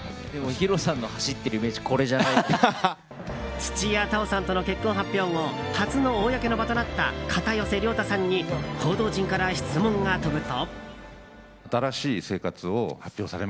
土屋太鳳さんとの結婚発表後初の公の場となった片寄涼太さんに報道陣から質問が飛ぶと。